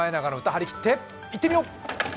張り切っていってみよう。